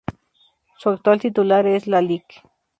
Su actual titular es la Lic.